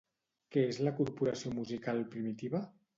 Què és la Corporació Musical Primitiva?